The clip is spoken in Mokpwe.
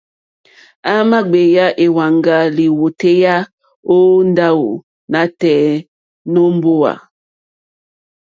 À mà gbèyá èwàŋgá lìwòtéyá ó ndáwò nǎtɛ̀ɛ̀ nǒ mbówà.